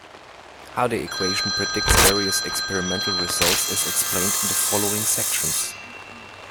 How the equation predicts various experimental results is explained in following sections.